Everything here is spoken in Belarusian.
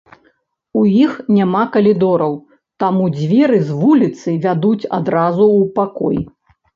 У іх няма калідораў, таму дзверы з вуліцы вядуць адразу ў пакой.